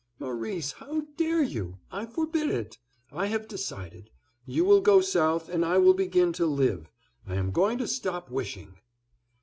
"Maurice, how dare you; I forbid it; I have decided. You will go south, and I will begin to live. I am going to stop wishing."